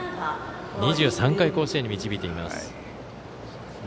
２３回甲子園に導いています。